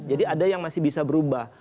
jadi ada yang masih bisa berubah